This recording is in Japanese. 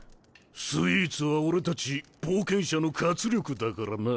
スイーツは俺たち冒険者の活力だからな。